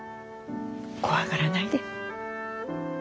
怖がらないで。